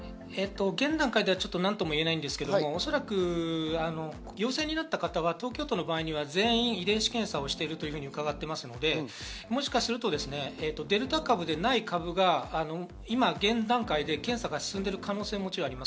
現段階では何とも言えないんですけれど、おそらく陽性になった方は、東京都の場合、全員遺伝子検査をしていると伺っていますのでもしかするとデルタ株でない株が今、現段階で検査が進んでいる可能性ももちろんあります。